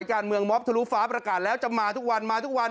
การเมืองมอบทะลุฟ้าประกาศแล้วจะมาทุกวันมาทุกวัน